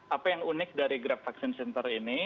apa yang unik dari grab vaksin center ini